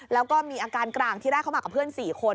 แล้วก็มีอาการกลางที่แรกเข้ามากับเพื่อน๔คน